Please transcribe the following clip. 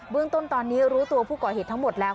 เรื่องต้นตอนนี้รู้ตัวผู้ก่อเหตุทั้งหมดแล้ว